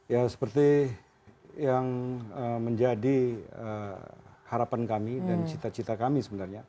ya seperti yang menjadi harapan kami dan cita cita kami sebenarnya